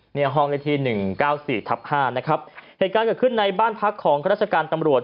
นี่ห้องที่๑๙๔ทับ๕นะครับเหตุการณ์เกิดขึ้นในบ้านพักของรัชกันตำรวจ